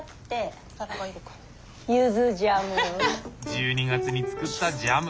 １２月に作ったジャム！